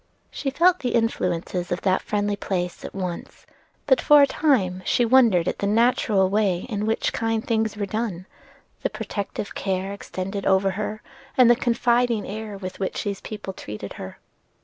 She felt the influences of that friendly place at once; but for a time she wondered at the natural way in which kind things were done, the protective care extended over her, and the confiding air with which these people treated her.